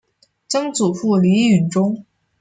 曾祖父李允中。